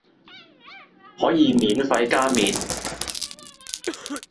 可以免費加麵